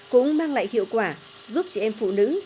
cũng mang lại hiệu quả giúp chị em phụ nữ